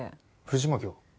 藤巻は？